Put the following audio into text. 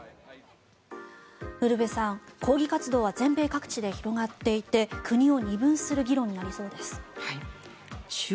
ウルヴェさん、抗議活動は全米各地で広がっていて国を二分する議論になりそうです。